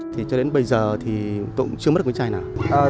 thì cho đến bây giờ thì tôi cũng chưa mất được cái chai nào